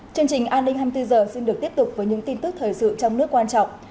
chương trình an ninh hai mươi bốn h xin được tiếp tục với những tin tức thời sự trong nước quan trọng